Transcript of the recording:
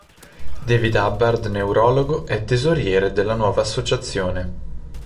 David Hubbard, neurologo è tesoriere della nuova associazione.